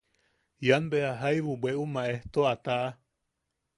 Ian beja jaibu bweʼu maejto, a taʼa.